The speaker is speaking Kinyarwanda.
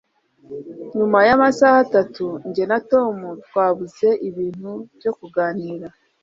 Nyuma yamasaha atatu, jye na Tom twabuze ibintu byo kuganira.